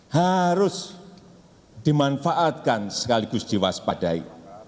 harus dimanfaatkan sekaligus jiwa sepadai